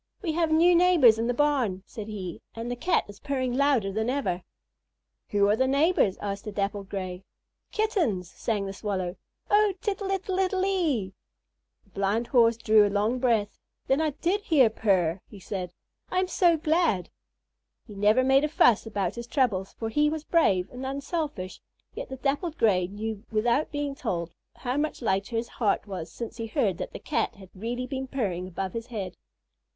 "We have new neighbors in the barn," said he, "and the Cat is purring louder than ever." "Who are the neighbors?" asked the Dappled Gray. "Kittens!" sang the Swallow. "Oh, tittle ittle ittle ee." The Blind Horse drew a long breath. "Then I did hear her purr," said he; "I am so glad." He never made a fuss about his troubles, for he was brave and unselfish, yet the Dappled Gray knew without being told how much lighter his heart was since he heard that the Cat had really been purring above his head.